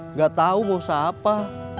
nggak tahu mau usaha apa